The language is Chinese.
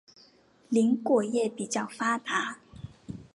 林果业比较发达。